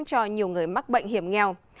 cho nhiều người mắc bệnh hiểm nghèo